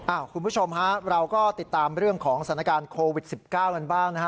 คุณผู้ชมฮะเราก็ติดตามเรื่องของสถานการณ์โควิด๑๙กันบ้างนะฮะ